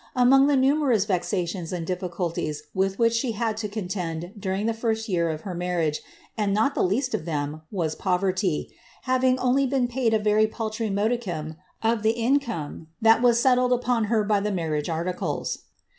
Amont the numerous vexations and difliculties with which she had to cootmd during the first year of her marriage, and not the least of them, wai poverty, having only heen paid a very paltry modicam of the income that was settled upon her by the marriage articles.